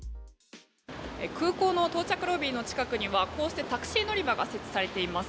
空港の到着ロビーの近くにはこうしたタクシー乗り場が設置されています。